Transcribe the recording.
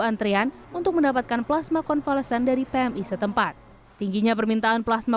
antrean untuk mendapatkan plasma konvalesen dari pmi setempat tingginya permintaan plasma